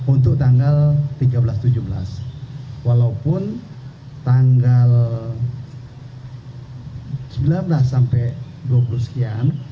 untuk tanggal tiga belas tujuh belas walaupun tanggal sembilan belas sampai dua puluh sekian